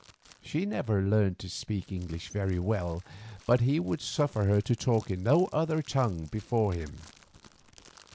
She never learned to speak English very well, but he would suffer her to talk in no other tongue before him.